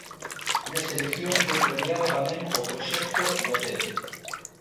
Nesta edición foi premiado tamén o proxecto Goteo.